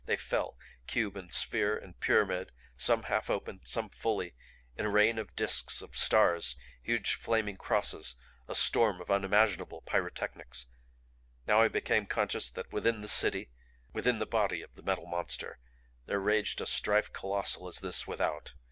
They fell cube and sphere and pyramid some half opened, some fully, in a rain of disks, of stars, huge flaming crosses; a storm of unimaginable pyrotechnics. Now I became conscious that within the City within the body of the Metal Monster there raged a strife colossal as this without.